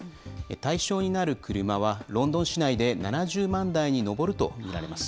対象になる車は、ロンドン市内で７０万台に上ると見られます。